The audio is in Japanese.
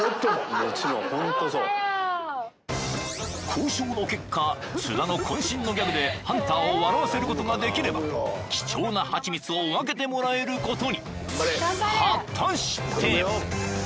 ［交渉の結果津田の渾身のギャグでハンターを笑わせることができれば貴重なハチミツを分けてもらえることに］